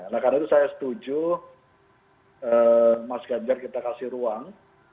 nah karena itu saya setuju mas ganjar kita kasih ruang